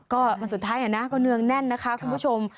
ก็วันสุดท้ายนะก็เนืองแน่นนะคะคุณผู้ชม